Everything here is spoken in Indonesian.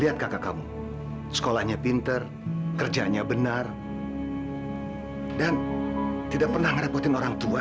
lihat kakak kamu sekolahnya pinter kerjanya benar dan tidak pernah ngerepotin orang tua